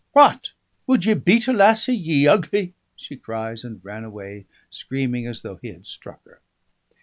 "What, would ye beat a lassie, ye ugly ?" cries she, and ran away screaming as though he had struck her.